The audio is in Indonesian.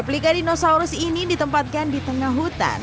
aplika dinosaurus ini ditempatkan di tengah hutan